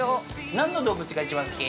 ◆なんの動物が一番好き？